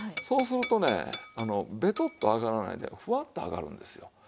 そうするとねベトッと揚がらないでフワッと揚がるんですよ。